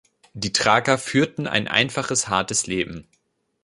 Die Thraker führten ein einfaches, hartes Leben.